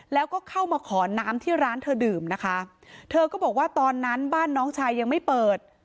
แล้วก็เข้ามาขอน้ำที่ร้านเธอดื่มนะคะเธอก็บอกว่าตอนนั้นบ้านน้องชายยังไม่เปิด